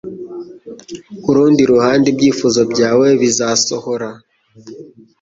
kurundi ruhande ibyifuzo byawe bizasohora